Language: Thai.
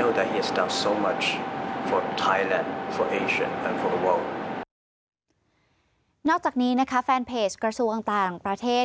นอกจากนี้นะคะแฟนเพจกระทรวงต่างประเทศ